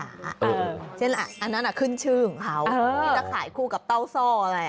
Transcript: อันนั้นขึ้นชื่อของเขาที่จะขายคู่กับเต้าซ่ออะไร